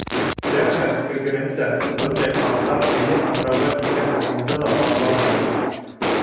Фермер фекеренсә, бындай хаҡтар һыйыр аҫрауға киткән сығымды ла ҡапламай.